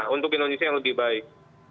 kita harus berpikir indonesia yang lebih baik